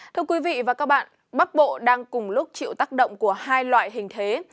thưa quý vị và các bạn bắc bộ đang cùng lúc chịu tác động của hai loại hình thế